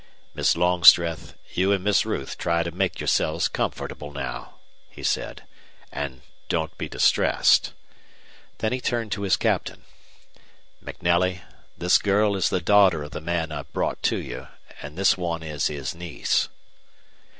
"Miss Longstreth, you and Miss Ruth try to make yourselves comfortable now," he said. "And don't be distressed." Then he turned to his captain. "MacNelly, this girl is the daughter of the man I've brought to you, and this one is his niece."